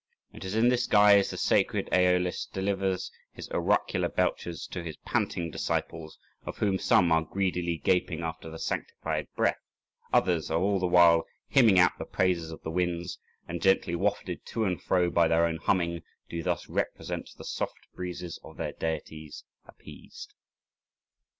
It is in this guise the sacred Æolist delivers his oracular belches to his panting disciples, of whom some are greedily gaping after the sanctified breath, others are all the while hymning out the praises of the winds, and gently wafted to and fro by their own humming, do thus represent the soft breezes of their deities appeased.